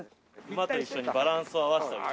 馬と一緒にバランスを合わせてあげる。